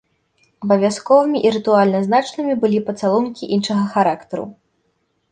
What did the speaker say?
Абавязковымі і рытуальна значнымі былі пацалункі іншага характару.